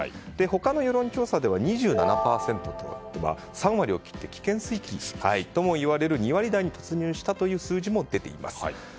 他の世論調査では２７％と３割を切って危険水域ともいわれる２割台に突入したという数字も出ています。